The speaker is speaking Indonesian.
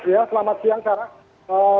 ya selamat siang sarah